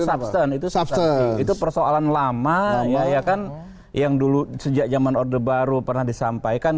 sastan itu sastan itu persoalan lama ya kan yang dulu sejak zaman order baru pernah disampaikan